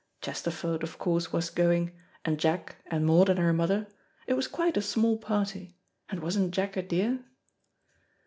Chesterford, of course, was going, and Jack, and Maud and her mother; it was quite a small party; and wasn't Jack a dear?